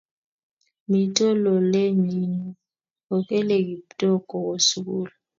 mito lolenyin yu, ukele Kiptooo kuwo sukul